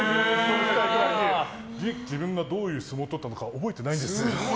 自分がどういう相撲を取ったのか覚えてないんです。